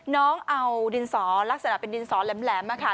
น้องเอาดินสอลักษณะเป็นดินสอแหลม